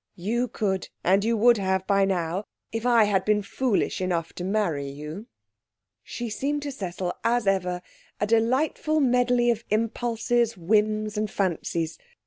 'You could; and you would have by now, if I had been foolish enough to marry you.' She seemed to Cecil, as ever, a delightful medley of impulses, whims, and fancies.